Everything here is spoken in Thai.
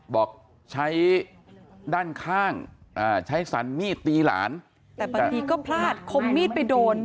บอกใช้ด้านข้างใช้สันมีดตีหลานแต่บางทีก็พลาดคมมีดไปโดน